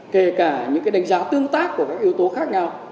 kể cả những đánh giá tương tác của các yếu tố khác nhau